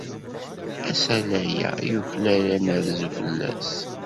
Asalay-a yuklal ad nerzu fell-as.